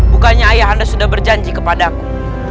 bukannya ayah anda sudah berjanji kepadaku